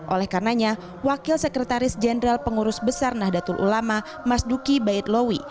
oleh karenanya wakil sekretaris jenderal pengurus besar nahdlatul ulama mas duki baitlawi